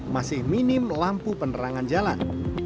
masih minim lampu penerangan jalan